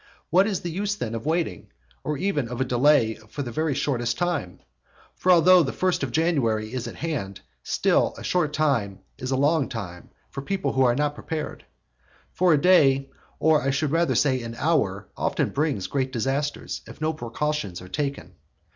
What is the use then of waiting, or of even a delay for the very shortest time? For although the first of January is at hand, still a short time is a long one for people who are not prepared. For a day, or I should rather say an hour, often brings great disasters, if no precautions are taken.